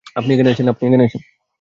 আপনি এখানে আসেন, আসেন।